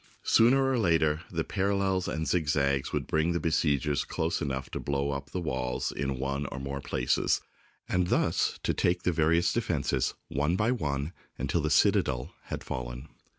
Sooner or later, the parallels and zigzags would bring the besiegers close enough to blow up the walls in one or more places, and thus to take the various defences one by one until the citadel had fallen.